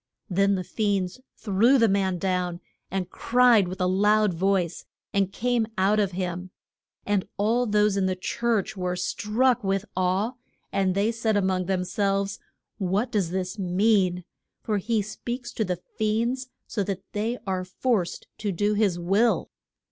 Then the fiends threw the man down, and cried with a loud voice, and came out of him. And all those in the church were struck with awe, and they said a mong them selves, What does this mean? for he speaks to the fiends so that they are forced to do his will!